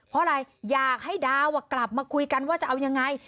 เพราะอะไรอยากให้ดาวกลับมาคุยกันว่าจะเอายังไง